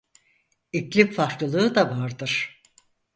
İklim farklılığı da vardır.